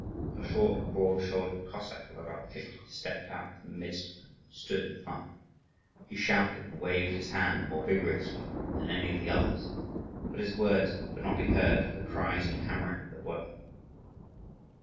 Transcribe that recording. A short, broad shouldered Cossack of about fifty stepped out from the midst of them and stood in front. He shouted and waved his hand more vigorously than any of the others; but his words could not be heard for the cries and hammering of the workmen.